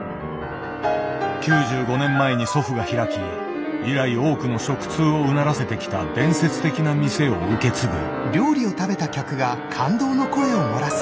９５年前に祖父が開き以来多くの食通をうならせてきた伝説的な店を受け継ぐ。